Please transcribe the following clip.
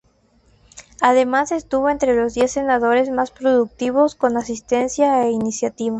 Además estuvo entre los diez senadores más productivos con asistencia e iniciativa.